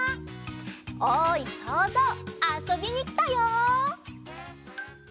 おいそうぞうあそびにきたよ！